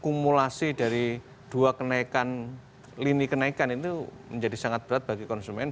akumulasi dari dua kenaikan lini kenaikan itu menjadi sangat berat bagi konsumen